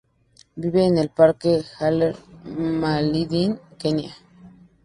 Viven en el Parque Haller, Malindi, Kenia.